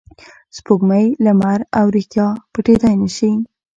سپوږمۍ، لمر او ریښتیا پټېدای نه شي.